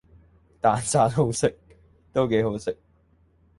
蛋散都幾好食